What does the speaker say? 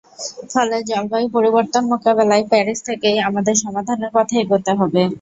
ফলে জলবায়ু পরিবর্তন মোকাবিলায় প্যারিস থেকেই আমাদের সমাধানের পথে এগোতে হবে।